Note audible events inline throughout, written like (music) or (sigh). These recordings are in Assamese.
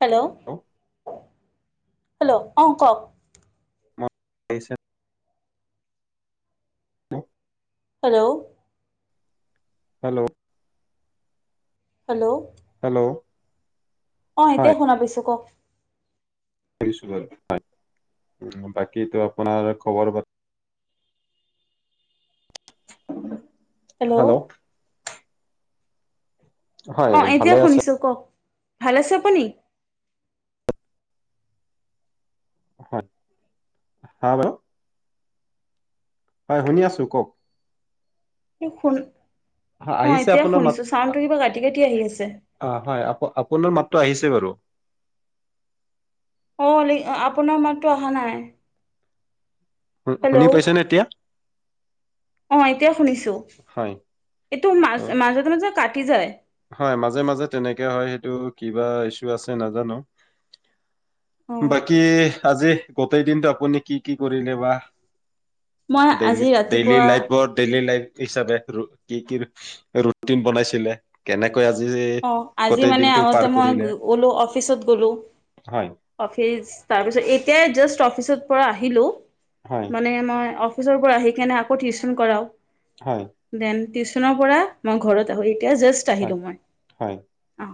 হেল্ল' হেল্ল' অ' ক'ক। (unintelligible) হেল্ল' হেল্ল' হেল্ল' হেল্ল' অ' হয় এতিয়াই শুনা পাইছো কক। বাৰু বাকীটো আপোনাৰ খবৰ অ'। হেল্ল' হয় অ' এতিয়া ভালে আছে শুনিছো কওক। ভাল আছে আপুনি? (unintelligible) হয় শুনি আছোঁ কওক। শুন, হয় অ' আহিছে এতিয়া আপোনাৰ মাত শুনিছো চাউণ্ডটো কিবা কাটি কাটি আহি আছে। অ হয় আপ আপোনাৰ মাতটো আহিছে বাৰু অ' আপোনাৰ মাততো অহা নাই। শু শুনি হেল্ল' পাইছেনে এতিয়া অ' এতিয়া শুনিছো। হয় এইটো মাজ অ মাজতে মাজে কাট কাটি যায়। হয় মাজে মাজে তেনেকা হয় হেইটো কিবা ইচো আছে নাজানোঁ। অ বাকী আজি গোটেই দিনটো আপুনি কি কি কৰিলে বা? মই ডেই আজি ডেইলি ৰাতিপুৱা লাইফ ডেইলি লাইফ হিচাপে কি কি ৰুটিন বনাইছিলে? কেনে অ' আজি মানে আগতে মই কৰিলে গ'লো অফিচত গলো, হয় অফিচ, তাৰপিছত এতিয়াই জাষ্ট অফিচত পৰা আহিলো। হয় মানে মই অ' অফিচৰ পৰা আহি কেনে আকৌ টিউচন কৰাও। হয়। টিউচনৰ পৰা মই ঘৰত আহোঁ। এতিয়া জাষ্ট হয় আহিলো মই। হয় অ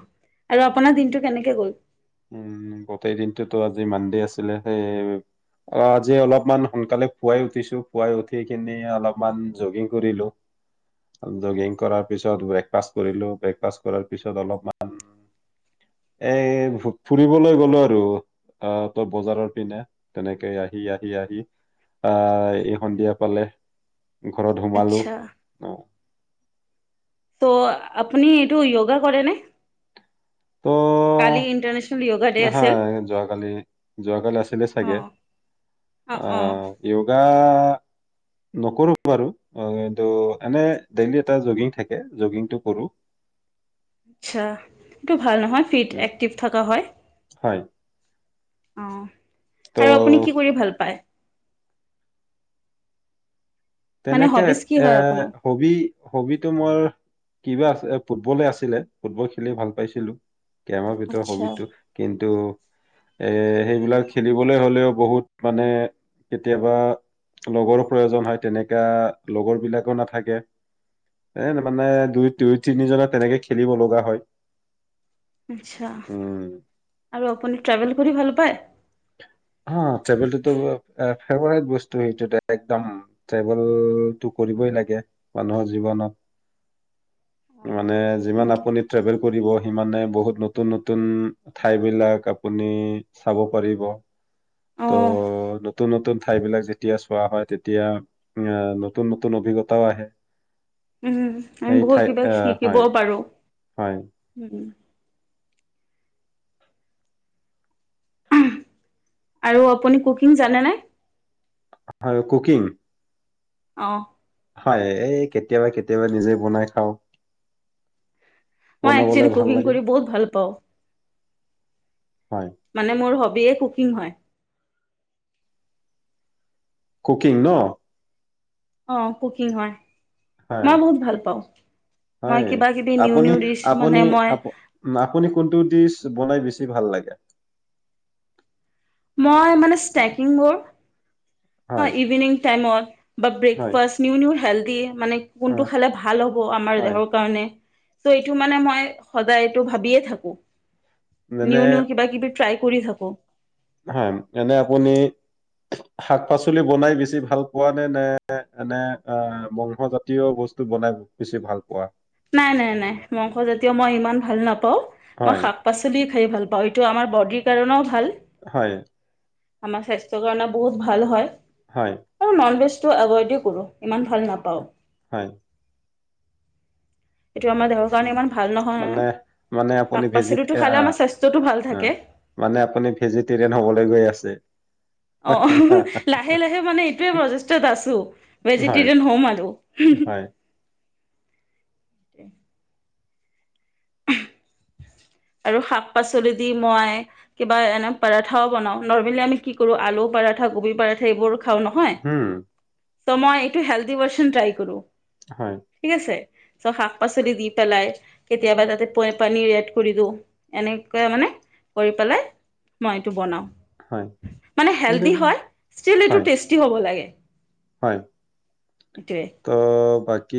আৰু আপোনাৰ দিনটো কেনেকে গ'ল? উম গোটেই দিনটোতো আজি মানডে আছিলে, সেই, অঊ আজি অলপমান সোনকালে পুৱাই উঠিছো, পুৱাই উঠি কিনি অলপমান জগিং কৰিলো, জগিং কৰাৰ পিছত ব্ৰেকফাষ্ট কৰিলো, ব্ৰেকফাষ্ট কৰাৰ পিছত অলপমান এ ফুৰিবলৈ গ'লো আৰু আহ বজাৰৰ পিনে তেনেকে আহি আহি আহি আই এই সন্ধিয়া পালে। ঘৰত সোমালো। আচ্ছা অ'। ত', আপুনি এইটো য়গা কৰে নে? অ', য়োগা ডে আছিল নহয় যোৱাকালি, যোৱাকালি আছিলে অ চাগে। অ', য়োগা নকৰো বাৰু, অ' এইটো, এনে ডেইলি এটা জগিং থাকে, জগিংটো কৰোঁ। আচ্ছা এইটো ভাল নহয়, ফিট উম এক্টিভ থকা হয়। হয় উম ত' আৰু আপুনি কি কৰি ভাল পায়? মানে তেনেকে, হবিজ কি এ, হয় আপোনাৰ হবি, হবিটো মোৰ কিবা আছে ফুটবলে আছিলে, ফুটবল খেলি ভাল পাইছিলোঁ। কেমৰ ভিতৰত আচ্ছা হবিটো, কিন্তু এ, সেইবিলাক খেলিবলৈ হ'লে বহুত মানে, কেতিয়াবা লগৰো প্ৰয়োজন হয় তেনেক তিয়া, লগৰ বিলাকো নাথাকে। এ মানে দুই, দুই তিনি জনে তেনেকে খেলিব লগা হয়। আচ্ছা, উম আৰু আপুনি ট্ৰেভেল কৰি ভাল পায়? অ, ট্ৰেভেলটোতো ফেভাৰেট বস্তু সেইটো এটা একদম, ট্ৰেভেলটো কৰিবই লাগে, মানুহৰ জীৱনত। মানে যিমান আপুনি ট্ৰেভেল কৰিব সিমানে, বহুত নতুন নতুন ঠাই বিলাক আপুনি চাব পাৰিব। অ ত' নতুন নতুন ঠাইবিলাক যেতিয়া চোৱা হয় তেতিয়া, অ নতুন নতুন অভিজ্ঞতাও আহে। উম, আমি সেই বহুত ঠাই কিবা আহ হয় শিকিবও পাৰো। হয় উম। আৰু আপুনি কুকিং জানেনে? হয়, কুকিং? অ'। হয়, এই কেতিয়াবা কেতিয়াবা নিজে বনাই খাওঁ। মই বনাবলে একচলি ভাল কুকিং লাগে কৰি বহুত ভাল পাওঁ হয় মানে মোৰ হ হবিয়ে কুকিং হয়। কুকিং ন অঁ কুকিং হয় হয়, মই বহুত ভাল পাওঁ মই হয়। কিবা কিবি নিউ আপুনি নিউ ডিচ মানে আপুনি মই আপু আপুনি কোনটো দিচ বনাই বেছি ভাল লাগে। মই মানে ষ্টেকিং বোৰ অ', হয় ইভিনিং টাইমত বা হয় ব্ৰেকফাষ্ট, নিউ নিউ হেল্থ দিয়ে মানে অ কোনটো খালে ভাল হ'ব আমাৰ হয় দেহৰ কাৰণে ত' এইটো মানে মই সদায় এইটো ভাবিয়ে থাকো। মানে নিউ নিউ কিবা কিবি ট্ৰাই কৰি থাকো। হয় এনে আপুনি শাক পাচলি বনাই বেছি ভাল পোৱা নে নে এনে অ', মাংস জাতীয় বস্তু বনাই বেছি ভাল পোৱা? নাই নাই নাই মাংস জাতীয় মই ইমান ভাল নাপাও নাপাঁও মই হয় শাক পাচলি খাই ভাল পাওঁ এইটো আমাৰ বডিৰ কাৰণেও ভাল হয়। আমাৰ স্বাস্থ্যৰ কাৰণে বহুত ভাল হয়। হয়। আৰু নন ভেজটো এভইডে কৰোঁ। ইমান ভাল নাপাওঁ। হয় এইটো আমাৰ দেহৰ কাৰণে ইমান ভাল নহয় মানে মানে শাক আপুনি ভেজি পাচলিটো খালে আমাৰ স্বাস্থ্যটো ভাল থাকে মানে আপুনি ভেজিটেৰিয়ান হবলৈ গৈ আছে। অ', লাহে লাহে মানে এইটোৱে প্ৰচেষ্টাত আছো, হয় ভেজিটেৰিয়ান হ'ম আৰু। হয় (inaudible) আৰু শাক পাচলি দি মই কিবা এনে পৰঠা বনাও নৰ্মেলি আমি কি কৰো আলু পৰঠা গবি পৰঠা এইবোৰ খাওঁ নহয়। হম ত মই এইটো হিলথী ভাৰ্চন ট্ৰাই কৰো। হয় ঠিক আছে? ত' শাক পাচলি দি পেলাই কেতিয়াবা তাতে পানিৰ এড কৰি দিওঁ এনেকৈ মানে কৰি পেলাই, মই এইটো হয় বনাওঁ। মানে কিন্তু হেলডি হয় ষ্টিল এইটো হয় টেষ্টি হ'ব লাগে। হয় এইটোৱে ত' বা কি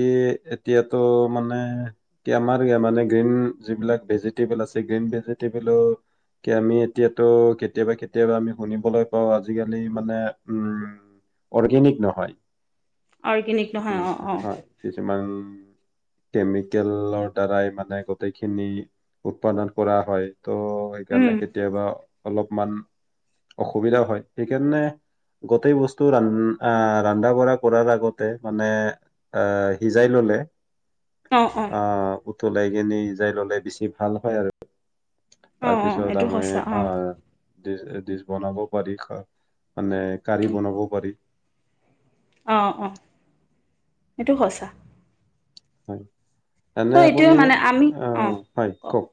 এতিয়াতো মানে কি আমাৰ মানে গ্ৰীণ যিবিলাক ভেজিটবল আছে গ্ৰীণ ভেজিটবলো কি আমি এতিয়াতো কেতিয়াবা কেতিয়াবা আমি শুনিবলৈ পাও আজিকালি মানে উম অৰ্গেনিক নহয়। অৰ্গেনিক নহয় উম অঁ হয় অঁ হয় কিছুমান কেমিকেলৰ দ্বাৰাই মানে গোটেইখিনি উৎপাদন কৰা হয়। ত' সেইকাৰণে কেতিয়াবা অলপমান অসুবিধা হয় সেইকাৰণে গোটেই বস্তু ৰা আহ ৰান্ধা বঢ়া কৰাৰ আগতে মানে আহ সিজাই ললে অ', হয় তলাই কিনে সিযাই ললে বেছি ভাল হয় আৰু অ অ এইটো সঁচা অ ডিছ এ ডিছ বনাব পাৰি খা মানে কাৰি বনাবও পাৰি। অ অহ সেইটো সঁচা। হয় চ' এনে এইটোৱে আপুনি মানে আমি আ, হয় কওক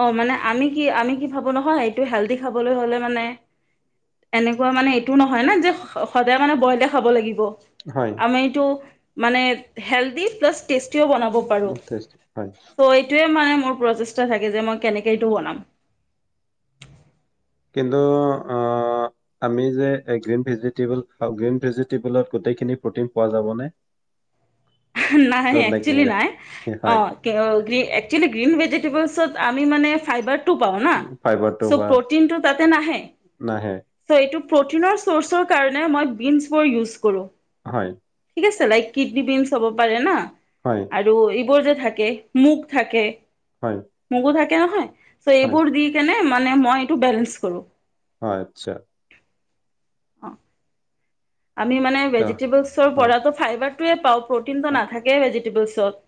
অ, মানে আমি কি আমি কি ভাবো নহয় এইটো হেলদি খাবলৈ হলে মানে এনেকুৱা মানে এইটো নহয় না যে সদায় মানে বইলে খাব লাগিব। হয় আমি এইটো মানে হেলদি প্লাচ টেষ্ট টি ও বনাব পাৰো, টেষ্টি হয় সো এইটোৱে মানে মোৰ প্ৰচেষ্টা থাক এ, যে মই কেনেকে এইটো বনাম? কিন্তু অ, আমি যে গ্ৰীনভেজিটেবল খাওঁ গ্ৰীনভেজিটেবলত গোটেই খিনি প্ৰ'টিন পোৱা যাব নে? নাই একচুৱেলী নাই অ, হয় কে, অ, একচুৱেলী গ্ৰীন ভেজিটেবুল্স পিছত আমি মানে ফাইবাৰ টো পাওঁ না ফাইবাৰটো ছ, বা প্ৰ'টিনটো তাতে নাহে। নাহে ছ, এইটো প্ৰ'টিনৰ চ'ৰ্চৰ কাৰণে মই বিঞ্চবোৰ ইউজ কৰো। হয়। ছে, লাইক কিডনী বিঞ্চ হব পাৰে না। হয় আৰু এইবোৰ যে থাকে মুগ থাকে হয় মগু থাক কে নহয় ছ, হয় এইবোৰ দি কেনে ম মানে মই এইটো বেলেঞ্চ কৰো। হয়, আচ্ছা। অ', আমি মানে ত ভেজিটেবেলছৰ হয় পৰাটো ফাইবাৰ টোৱে পাওঁ। প্ৰ'টিনটো নাথাকে ভেজিটেবুলছ। ত'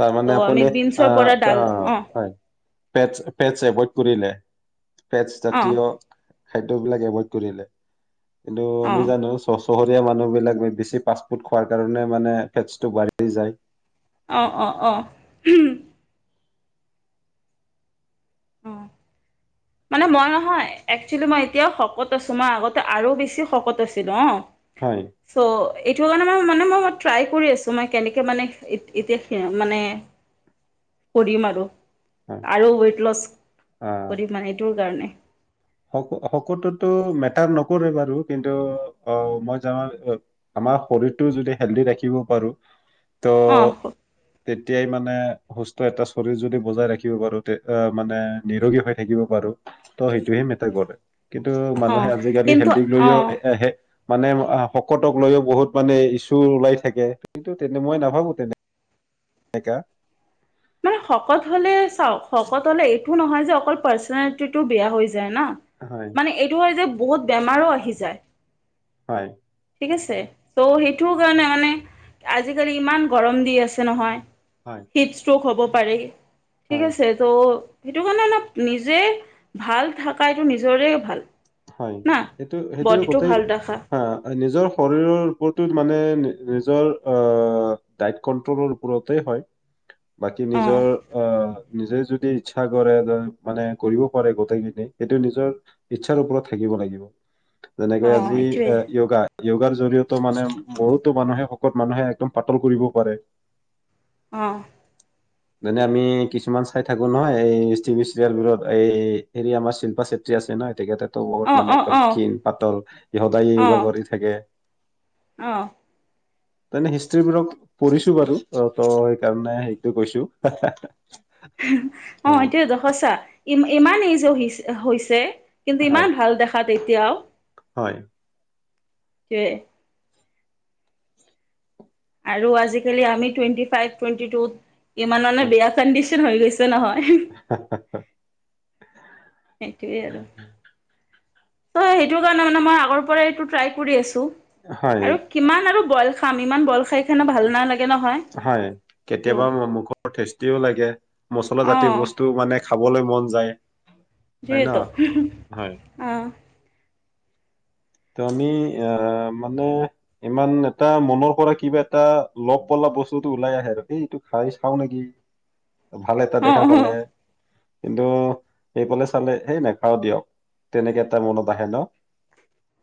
তাৰ মানে আমি আপুনি আ, বিনছৰ পৰা আ, ডাল অ হয় ফেটছ, ফেটছ এভইড কৰিলে? ফেটছ অ জাতীয় খাদ্যবিলাক এভইড কৰিলে। কিন্তু অ আমি জানো চ চহৰীয়া মানুহবিলাক বেছি পাষ্টফুড খোৱাৰ কাৰণে মানে ফেটষ্টো বাঢ়ি যায়। অ', অ', অ'। মানে মই নহয় একচুৱেলি মই এতিয়াও শকত আছোঁ, মই আগতে আৰু বেছি শকত আছিলো, অ',। হয় চ' এইটো কাৰণে মই মানে মই ট্ৰাই কৰি আছো, মই কেনেকে মানে এতি এতিয়া সেয়া, মানে কৰিম আৰু, হয় আৰু ৱেইট লছ প্ৰদীপ মাইণ্ড। সেইটোৰ কাৰণে। শক শকটোতো মেটাৰ নকৰে বাৰু কিন্তু অ', মই (unintelligible) আমাৰ শৰীৰটো যদি হেলদি ৰাখিব পাৰো ত, অ তে তিয়াই মানে সুস্থ এটা শৰীৰ যদি বজাই ৰাখিব পাৰো, তে, আহ মানে নিৰোগী হৈ থাকিব পাৰো, ত' সেইটোহে মে টাৰ কৰে। কিন্তু অ মানুহে আজিকালি কিন্তু হেলদিক অ লৈও এটা হে মানে আহ শকতক লৈও বহুত মানে ইছু ওলাই থাকে, কিন্তু তেনে মই নাভাবো, তেনেকা। মানে শকত হ'লে চাওঁক শকত হলে এইটো নহয় যে অকল পাৰ্চনেলিটিটো বেয়া হৈ যে ন, হয় মানে এইটো হয় যে বহুত বেমাৰো আহি যায়। হয়। ঠিক আছে, ত' সেইটো কাৰণে মানে আজিকালি ইমান গৰম দি আছে, নহয়। হয়। (unintelligible) হ'ব পাৰেই। ঠিক হয় আছে ত সেইটো কাৰণে অলপ, নিজেই ভাল থাকাইটো নিজৰে ভাল। হয়, না সেইটো সেইটোৰো বডিটো গোটেই ভাল ৰাখা হা, নিজৰ শৰীৰৰ ওপৰটোত মানে নি নিজৰ আহ ডাইত কন্ট্ৰলৰ ওপৰতে হয়। বাকী অ নিজৰ আহ নিজে যদি ইচ্ছা কৰে (unintelligible) মানে কৰিব পাৰে গটেইখিনি, এইটো নিজৰ ইচ্ছাৰ ওপৰত থাকিব লাগিব। অ যেনেকৈ আজি এইটোৱে এ, য়গা য়গাৰ জৰিয়ত মানে বহুতো মানুহে শকত মানুহে একদম পাতল কৰিব পাৰে। অহ। যেনে আমি কিছুমান চাই থাকো নহয়, এই টিভি চিৰিয়েল বোৰত এই হেৰি আমাৰ শিল্পা চেত্ৰী আছে নয় তেখেতে ত বহুত অ মানে অ একদম অ ক্ষীণ পাতল ই, সদায়ে য়গা কৰি থাকে। অহ। তেনে হিষ্ট্ৰ্ৰীবোৰক পঢ়িছো বাৰু। আ, ত' সেইকাৰণে সেইটো কৈছো। (unintelligible) অ হয় এইটোৱে জহস্যা! ইম ইমান এইজৰ হৈছে কিন্তু হয় ইমান ভাল দেখাত। এতিয়াও। হয়। কয় আৰু আজিকালি আমি টুৱেণ্টি ফাইভ টুৱেণ্টি টুত ইমানে হয় বেয়া কি হৈ গৈছে যে নহয়। সেইটোৱেই আৰু আৰু। চ সেইটো কাৰণে মানে মই আগৰ পৰাই এইটো ট্ৰাই কৰি আছো। হয় আৰু কিমান আৰু (unintelligible) ভাল নালাগে নহয় হয় এইটো কেতিয়াবা মুখৰ টেষ্টিও লাগে মছলা জাতীয় বস্তুও মানে খাবলৈ মন যায়। হয় ন জিটো হয় আহ ত আমি এ মানে ইমান এটা মনৰ পৰা কিবা এটা ল পলা বস্তুটো ওলাই আহে আৰু এই এইটো খাই চাও নেকি! ভালেটা অ দেখা অ পালে কিন্তু এইফালে চালে সেই নেখাও দিয়ক তেনেকে এটা মনত আহে ন!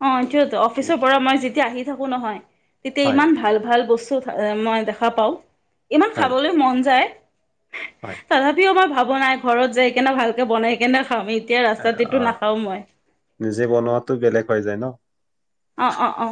অ এইটোৱে ত অফিচৰ পৰা মই যেতিয়া আহি থাকো নহয় তেতিয়া হয় ইমান ভাল ভাল বস্ তো মই দেখা পাও। ইমান হয় খাবলৈ মন যায়। হয় তথাপিও আমাৰ ভাব বনাই ঘৰত যাই কিনে ভালকে বনাই কেনে খামি এ অ নিজে বনোৱাাতটো বেলেগ হৈ যায় ন! অ অ অ।